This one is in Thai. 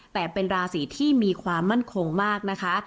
แต่เป็นราศีที่มีความมั่นคงมากนะคะ